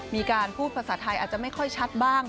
มีการพูดภาษาไทยอาจจะไม่ค่อยชัดบ้าง